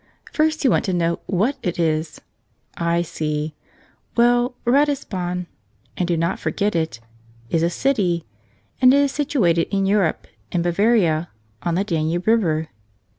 First you want to know what it is. I see. Well, Ratisbon — and do not forget it — is a city ; and it is situated in Europe, in Bavaria, on the Danube river.